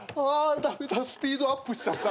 駄目だスピードアップしちゃった。